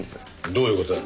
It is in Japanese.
どういう事だ？